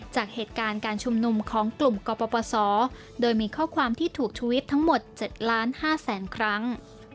จากเหตุการณ์การชุมนุมของกลุ่มกปศโดยมีข้อความที่ถูกทวิตทั้งหมด๗๕๐๐๐๐ครั้ง